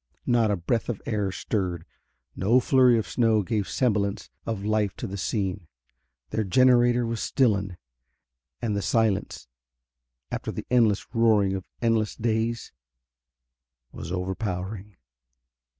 Not a breath of air stirred; no flurry of snow gave semblance of life to the scene. Their generator was stillen, and the silence, after the endless roaring of endless days, was overpowering.